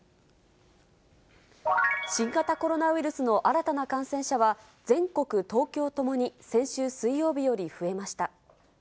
新型コロナウイルスの新たな感染者は、全国、東京ともに先週水曜日より増えました。